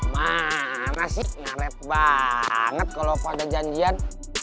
mana sih ngarep banget kalau pada janjian